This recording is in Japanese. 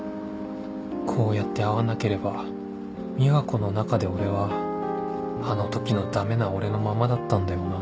こうやって会わなければ美和子の中で俺はあの時のダメな俺のままだったんだよな